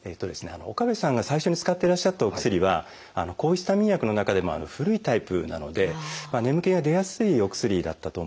岡部さんが最初に使ってらっしゃったお薬は抗ヒスタミン薬の中でも古いタイプなので眠気が出やすいお薬だったと思います。